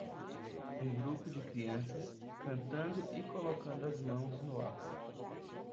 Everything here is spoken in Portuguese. Um grupo de crianças cantando e colocando as mãos no ar